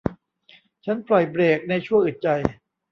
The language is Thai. ฉันปล่อยเบรคในชั่วอึดใจ